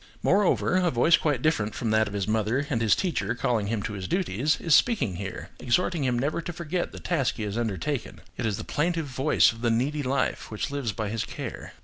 Moreover, a voice quite different from that of his mother and his teacher calling him to his duties, is speaking here, exhorting him never to forget the task he has undertaken. It is the plaintive voice of the needy life which lives by his care.